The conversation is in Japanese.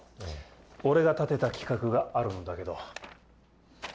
俺が立てた企画があるんだけど。